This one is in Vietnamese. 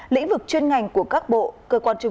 lĩnh vực chuyên ngành của các bộ cơ quan trung ương